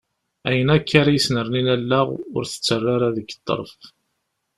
Ayen akk ara isernin allaɣ ur tettara ara deg ṭṭerf.